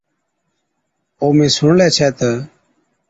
او مين سُڻلَي ڇَي تہ،